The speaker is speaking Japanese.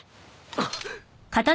あっ！